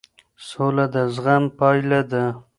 سوله د زغم پایله ده